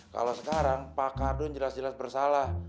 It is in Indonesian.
kalau sekarang pak kardun jelas jelas bersalah